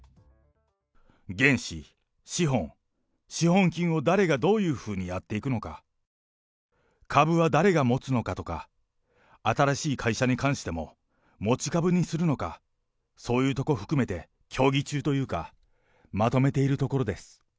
原資、資本、資本金を誰がどういうふうにやっていくのか、株は誰が持つのかとか、新しい会社に関しても、持ち株にするのか、そういうとこ含めて協議中というか、まとめているところです。